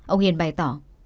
ông hiền bày tỏ